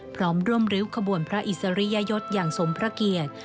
พร้อมร่วมริ้วขบวนพระอิสริยยศอย่างสมพระเกียรติ